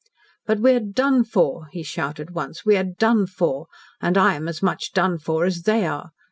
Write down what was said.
"But we are done for," he shouted once. "We are done for. And I am as much done for as they are.